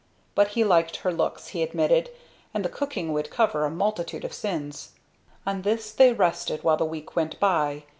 But he liked her looks, he admitted, and the cooking would cover a multitude of sins. On this they rested, while the week went by.